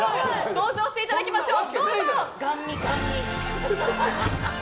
登場していただきましょう！